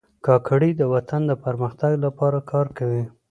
کاکړي د وطن د پرمختګ لپاره کار کوي.